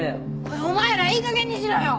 おいお前らいいかげんにしろよ！